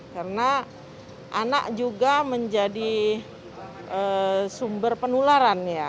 karena anak juga menjadi sumber penularan ya